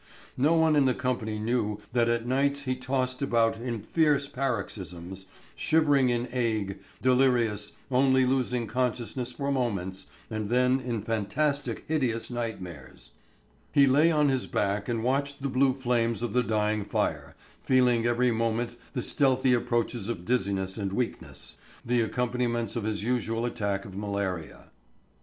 No one in the company knew that at nights he tossed about in fierce paroxysms, shivering in ague, delirious, only losing consciousness for moments, and then in fantastic hideous nightmares. He lay on his back and watched the blue flames of the dying fire, feeling every moment the stealthy approaches of dizziness and weakness, the accompaniments of his usual attack of malaria.